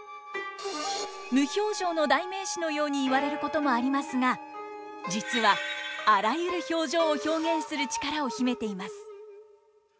無表情の代名詞のように言われることもありますが実はあらゆる表情を表現する力を秘めています。